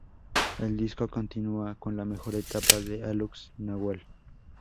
El disco continúa con la mejor etapa de Alux Nahual.